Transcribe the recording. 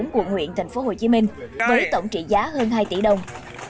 của huyện tp hcm với tổng trị giá hơn hai tỷ đồng